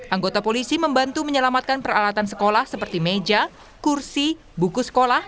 anggota polisi membantu menyelamatkan peralatan sekolah seperti meja kursi buku sekolah